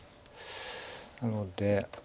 なので。